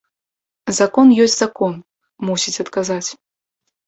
Закон ёсць закон, мусіць адказаць.